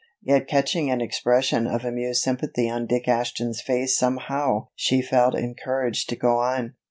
Yet catching an expression of amused sympathy on Dick Ashton's face somehow she felt encouraged to go on.